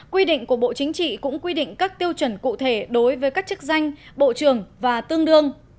quy định của bộ chính trị cũng quy định các tiêu chuẩn cụ thể đối với các chức danh bộ trưởng và tương đương